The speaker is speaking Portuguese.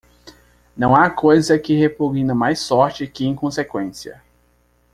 Não há coisa que repugna mais sorte que inconsequência.